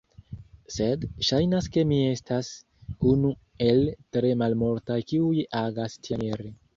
Sed saĵnas ke mi estas unu el tre malmultaj kiuj agas tiamaniere.